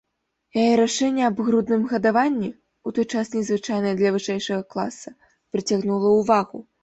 Яе рашэнне аб грудным гадаванні, у той час незвычайнае для вышэйшага класа, прыцягнула ўвагу.